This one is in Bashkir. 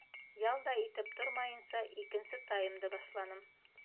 Ял да итеп тормайынса икенсе таймды башланым.